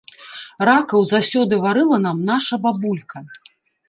Ракаў заўсёды варыла нам наша бабулька.